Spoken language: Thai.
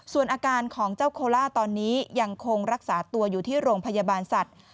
ส่วนอาการของเจ้าโคล่าตอนนี้ยังคงรักษาตัวอยู่ที่โรงพยาบาลสัตว์